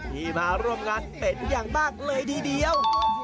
ที่มาร่วมงานเป็นอย่างมากเลยทีเดียว